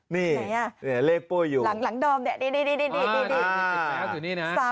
นี่เลขปุ้ยอยู่หลังดอมเนี่ยนี่นะ